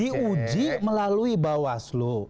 di uji melalui bawaslu